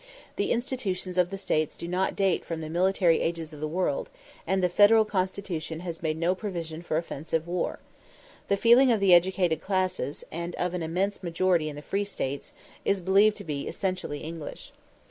The institutions of the States do not date from the military ages of the world, and the Federal Constitution has made no provision for offensive war. The feeling of the educated classes, and of an immense majority in the Free States, is believed to be essentially English.